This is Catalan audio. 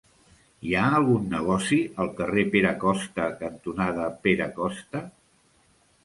Hi ha algun negoci al carrer Pere Costa cantonada Pere Costa?